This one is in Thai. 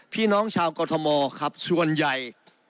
พี่น้องชาวกรทมครับส่วนใหญ่